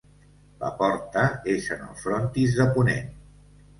La porta és en el frontis de ponent.